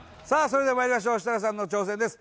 それではまいりましょう設楽さんの挑戦です